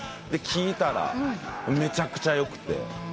で聴いたらめちゃくちゃよくて。